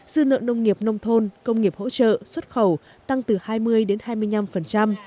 dư nợ nông nghiệp nông thôn công nghiệp hỗ trợ xuất khẩu tăng từ hai mươi đến hai mươi năm